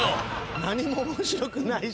「何も面白くもないし」